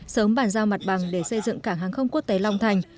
sớm bàn giao mặt bằng để xây dựng cảng hàng không quốc tế long thành